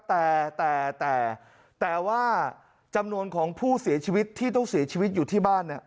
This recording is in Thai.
แต่แต่แต่ว่าจำนวนของผู้เสียชีวิตที่ต้องเสียชีวิตอยู่ที่บ้านเนี่ย